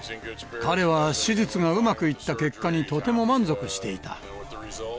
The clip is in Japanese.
彼は手術がうまくいった結果にとても満足していた。